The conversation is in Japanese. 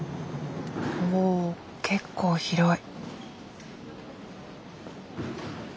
おお結構広い。